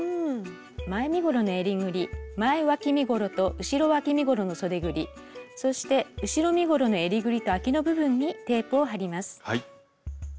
前身ごろの襟ぐり前わき身ごろと後ろわき身ごろのそでぐりそして後ろ身ごろの襟ぐりとあきの部分にテープを貼ります。